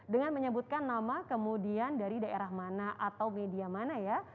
dengan menyebutkan nama kemudian dari daerah mana atau media mana ya